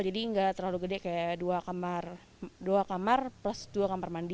jadi tidak terlalu besar seperti dua kamar plus dua kamar mandi